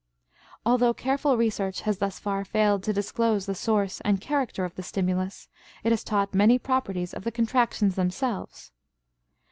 Although careful research has thus far failed to disclose the source and character of the stimulus, it has taught many properties of the contractions themselves.